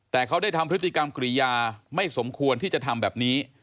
แต่เขาได้ทำพฤติกรรมกรียาไม่สมควรที่จะทำแบบนี้